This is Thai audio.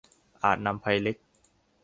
อาจนำภัยเล็ก